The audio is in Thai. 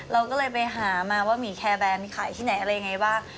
เราก็เลยไปหามาว่าหมีแคร์แบนขายที่ไหนอะไรยังไงบ้าง